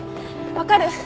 分かる？